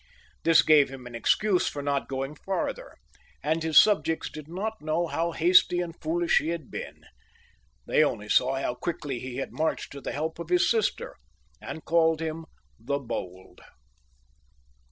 This gave him an excuse for not going farther, and his subjects did not know how hasty XX.] PHILIP IIL {LE HARDI), 126 and foolish he had been ; they only saw how quickly he r had marched to the help of his sister, and called him, as I said, " The Bold."